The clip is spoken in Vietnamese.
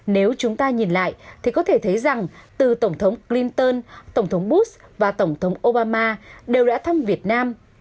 nếu chúng ta nhìn lại thì có thể thấy rằng từ tổng thống clinton tổng thống bus và tổng thống obama đều đã thăm việt nam